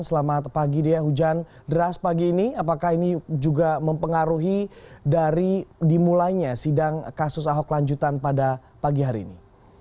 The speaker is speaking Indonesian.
selamat pagi dea hujan deras pagi ini apakah ini juga mempengaruhi dari dimulainya sidang kasus ahok lanjutan pada pagi hari ini